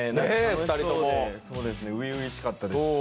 お二人とも初々しかったですね。